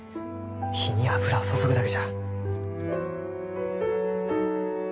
火に油を注ぐだけじゃ。